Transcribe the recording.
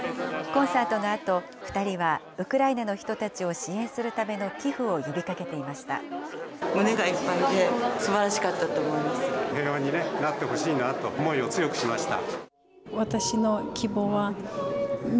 コンサートのあと、２人はウクライナの人たちを支援するための寄付を呼びかけていました。